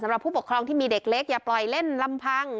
ผู้ปกครองที่มีเด็กเล็กอย่าปล่อยเล่นลำพัง